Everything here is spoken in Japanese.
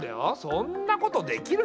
そんなことできる？